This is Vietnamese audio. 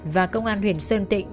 và công an huyền sơn tịnh